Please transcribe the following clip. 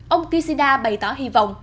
ông kishida bày tỏ hy vọng